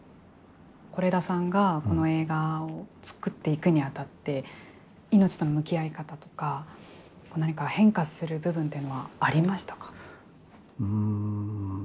是枝さんがこの映画を作っていくにあたって命との向き合い方とか何か変化する部分っていうのはありましたか。